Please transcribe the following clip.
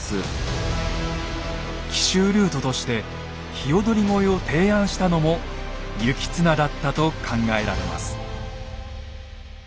奇襲ルートとして鵯越を提案したのも行綱だったと考えられます。